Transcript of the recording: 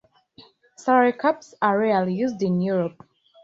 Salary caps are rarely used in Europe.